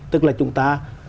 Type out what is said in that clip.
tức là chúng ta